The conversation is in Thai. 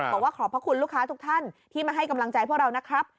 ขอบพระคุณลูกค้าทุกท่านที่มาให้กำลังใจพวกเรานะครับ